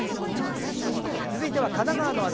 続いては神奈川の話題。